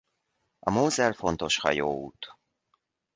A Mosel fontos hajóút.